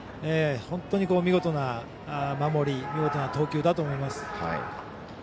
本当に見事な守り見事な投球だと思います。